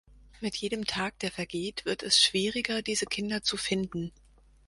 Mit jedem Tag, der vergeht, wird es schwieriger, diese Kinder zu finden.